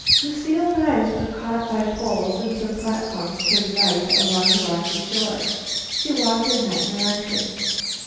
Lucile's eyes were caught by poles and some platforms to the right, along the rocky shore. She walked in that direction.